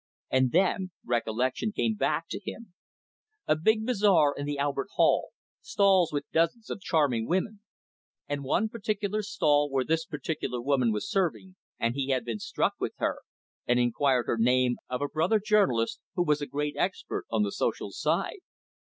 And then recollection came back to him. A big bazaar in the Albert Hall, stalls with dozens of charming women. And one particular stall where this particular woman was serving, and he had been struck with her, and inquired her name of a brother journalist, who was a great expert on the social side.